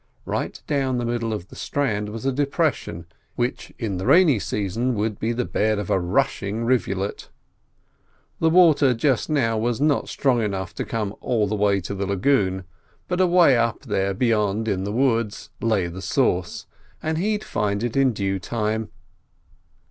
Right down the middle of the strand was a depression which in the rainy season would be the bed of a rushing rivulet. The water just now was not strong enough to come all the way to the lagoon, but away up there "beyant" in the woods lay the source, and he'd find it in due time.